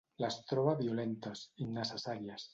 Les troba violentes, innecessàries.